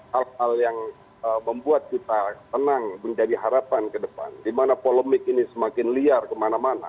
hal hal yang membuat kita tenang menjadi harapan ke depan di mana polemik ini semakin liar kemana mana